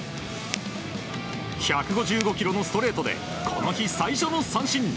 １５５キロのストレートでこの日最初の三振。